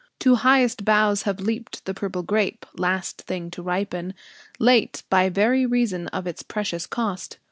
To highest boughs have leaped The purple grape, last thing to ripen, late By very reason of its precious cost.